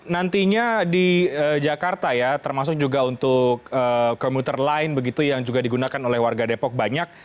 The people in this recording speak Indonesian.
nantinya di jakarta ya termasuk juga untuk komuter lain begitu yang juga digunakan oleh warga depok banyak